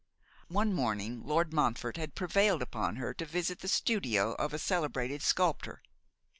One morning Lord Montfort had prevailed upon her to visit the studio of a celebrated sculptor.